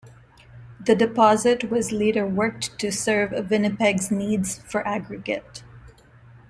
The deposit was later worked to serve Winnipeg's needs for aggregate.